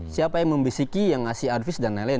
siapa yang membisiki yang ngasih advis dan lain lain